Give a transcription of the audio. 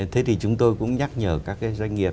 thế thì chúng tôi cũng nhắc nhở các cái doanh nghiệp